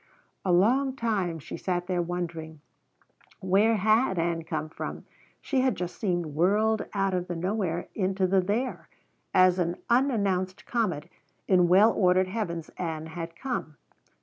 A long time she sat there wondering. Where had Ann come from? She had just seemed whirled out of the nowhere into the there, as an unannounced comet in well ordered heavens Ann had come.